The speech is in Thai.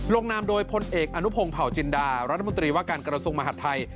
ลงนามโดยพลเอกอนุพงศ์เผาจินดารัฐมนตรีว่าการกระทรวงมหาดไทย